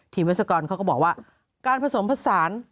วิศกรเขาก็บอกว่าการผสมผสาน